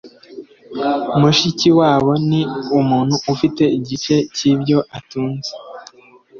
mushikiwabo ni umuntu ufite igice cyibyo utunze